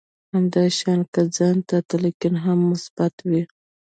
همدا شان که ځان ته تلقين هم مثبت وي.